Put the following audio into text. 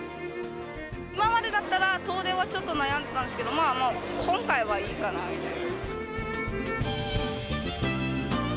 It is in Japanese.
今までだったら、遠出はちょっと悩んでたんですけど、まあもう、今回はいいかなみたいな。